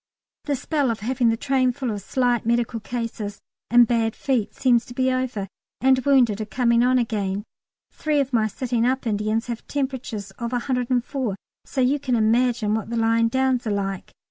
The spell of having the train full of slight medical cases and bad feet seems to be over, and wounded are coming on again. Three of my sitting up Indians have temperatures of 104, so you can imagine what the lying downs are like.